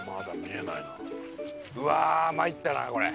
うわーまいったなこれ。